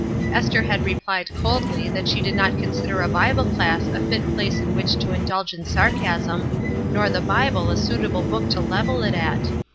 Esther had replied coldly that she did not consider a Bible class a fit place in which to indulge in sarcasm, nor the Bible a suitable book to level it at.